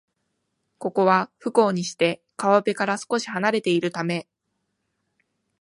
ここは、不幸にして川辺から少しはなれているため